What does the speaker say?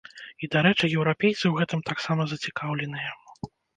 І, дарэчы, еўрапейцы ў гэтым таксама зацікаўленыя.